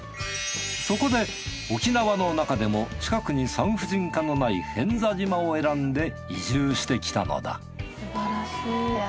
そこで沖縄の中でも近くに産婦人科のない平安座島を選んで移住してきたのだ。